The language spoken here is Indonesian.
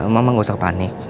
mama gak usah panik